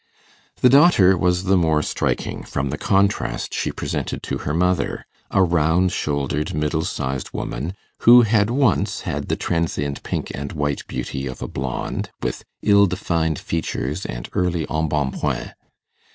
The daughter was the more striking, from the contrast she presented to her mother, a round shouldered, middle sized woman, who had once had the transient pink and white beauty of a blonde, with ill defined features and early embonpoint.